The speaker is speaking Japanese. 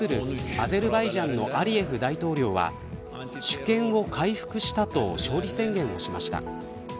アゼルバイジャンのアリエフ大統領は主権を回復したと勝利宣言をしました。